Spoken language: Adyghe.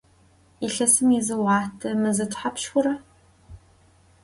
Yilhesım yizı vuaxhte meze thapşş xhura?